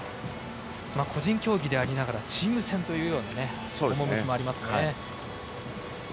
個人競技でありながらチーム戦というような趣もありますね。